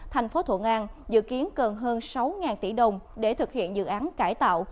thành phố thuận an dự kiến cần hơn sáu tỷ đồng để thực hiện dự án cải tạo